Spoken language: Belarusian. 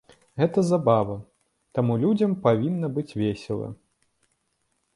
Гэта забава, таму людзям павінна быць весела.